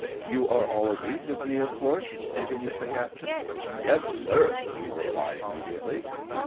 "You are all agreed with me, of course ?" continues the captain. " Yes, sir," we reply immediately.